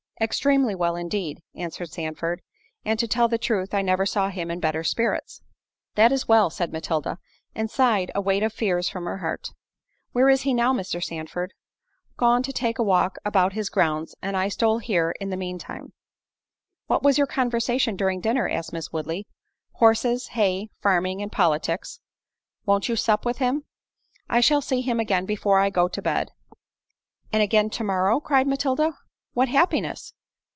"Extremely well indeed," answered Sandford: "and to tell the truth, I never saw him in better spirits." "That is well—" said Matilda, and sighed a weight of fears from her heart. "Where is he now, Mr. Sandford?" "Gone to take a walk about his grounds, and I stole here in the mean time." "What was your conversation during dinner?" asked Miss Woodley. "Horses, hay, farming, and politics." "Won't you sup with him?" "I shall see him again before I go to bed." "And again to morrow!" cried Matilda, "what happiness!"